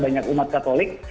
banyak umat katolik